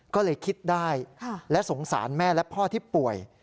ก็เลยคิดได้และสงสารแม่และพ่อที่ป่วย